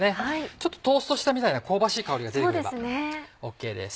ちょっとトーストしたみたいな香ばしい香りが出て来ればＯＫです。